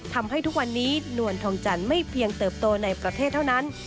ทำให้ทุกวันนี้นวลทองจันทร์ไม่เพียงเติบโตในประเทศเท่านั้น